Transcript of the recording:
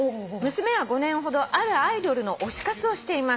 娘は５年ほどあるアイドルの推し活をしています」